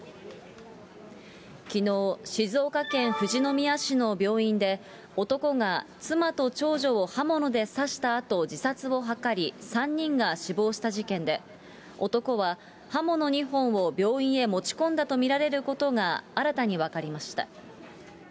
きのう、静岡県富士宮市の病院で、男が妻と長女を刃物で刺したあと自殺を図り、３人が死亡した事件で、男は、刃物２本を病院へ持ち込んだと見られることが新たに分かりました。